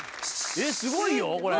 えっすごいよこれ。